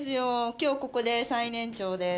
今日ここで最年長です。